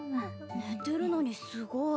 寝てるのにすごい。